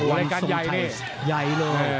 วันสงสัยใหญ่เลย